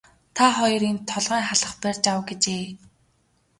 Та хоёр энд толгойн халх барьж ав гэжээ.